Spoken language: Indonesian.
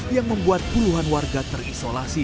yang membuat puluhan warga terisolasi